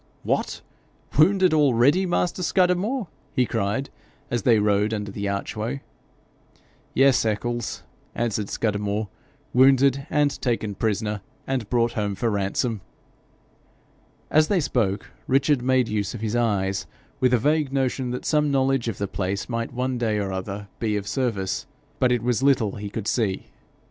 'What! wounded already, master Scudamore!' he cried, as they rode under the archway. 'Yes, Eccles,' answered Scudamore, ' wounded and taken prisoner, and brought home for ransom!' As they spoke, Richard made use of his eyes, with a vague notion that some knowledge of the place might one day or other be of service, but it was little he could see.